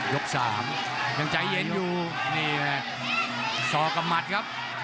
สามยังใจเย็นอยู่นี่ไงสอกกับหมัดครับ